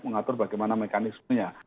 mengatur bagaimana mekanismenya